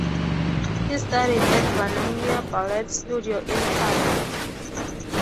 He studied at Vanemuine Ballet Studio in Tartu.